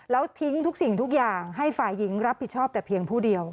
แล้วทิ้งทุกสิ่งทุกอย่างให้ฝ่ายหญิงรับผิดชอบแต่เพียงผู้เดียว